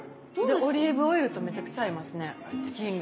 オリーブオイルとめちゃくちゃ合いますねチキンが。